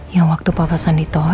yang waktu papasan di toilet kan